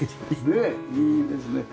ねえいいですね。